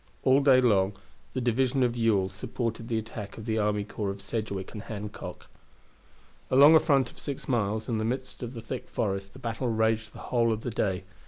All day long the division of Ewell supported the attack of the army corps of Sedgwick and Hancock. Along a front of six miles, in the midst of the thick forest, the battle raged the whole of the day.